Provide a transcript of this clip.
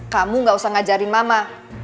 kamu gak usah ngajarin mama